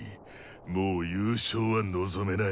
もう優勝は望めない！